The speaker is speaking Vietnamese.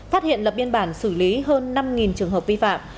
phát hiện lập biên bản xử lý hơn năm trường hợp vi phạm